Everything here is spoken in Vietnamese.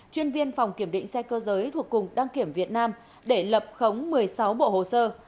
chuyên viên phòng kiểm định xe cơ giới thuộc cục đăng kiểm việt nam để lập khống một mươi sáu bộ hồ sơ